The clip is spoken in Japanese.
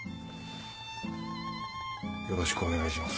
よろしくお願いします。